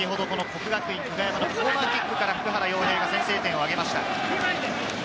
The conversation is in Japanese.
先ほど國學院久我山のコーナーキックから普久原陽平が先制点を挙げました。